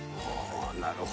なるほど。